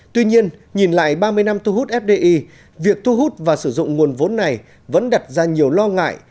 tuy nhiên nhìn lại ba mươi năm thu hút fdi việc thu hút và sử dụng nguồn vốn này vẫn đặt ra nhiều lo ngại